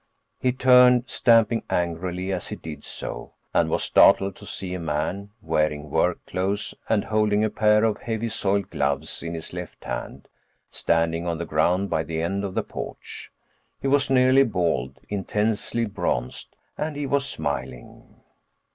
He turned, stamping angrily as he did so, and was startled to see a man, wearing work clothes and holding a pair of heavy soiled gloves in his left hand, standing on the ground by the end of the porch. He was nearly bald, intensely bronzed, and he was smiling.